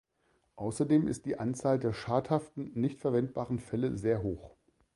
Außerdem ist die Anzahl der schadhaften, nicht verwendbaren Felle sehr hoch.